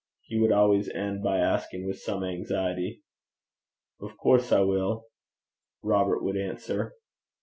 he would always end by asking with some anxiety. 'Of coorse I will,' Robert would answer.